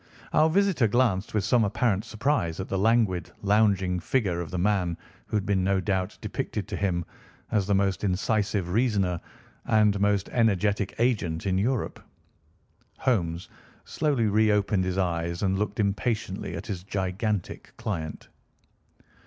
Our visitor glanced with some apparent surprise at the languid, lounging figure of the man who had been no doubt depicted to him as the most incisive reasoner and most energetic agent in Europe. Holmes slowly reopened his eyes and looked impatiently at his gigantic client.